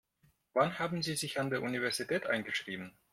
Wann haben Sie sich an der Universität eingeschrieben?